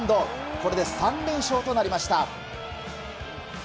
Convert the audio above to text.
これで３連勝となりました。